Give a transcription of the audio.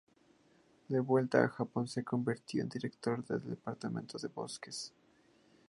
De vuelta a Japón se convirtió en director del Departamento de Bosques.